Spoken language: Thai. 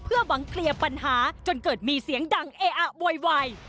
หวังเคลียร์ปัญหาจนเกิดมีเสียงดังเออะโวยวาย